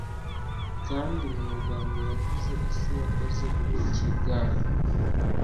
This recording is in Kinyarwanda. Kandi mumagambo yavuze isi yakoze ubuki bwayo